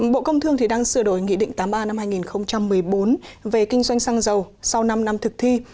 bộ công thương đang sửa đổi nghị định tám a năm hai nghìn một mươi bốn về kinh doanh xăng dầu sau năm năm thực thi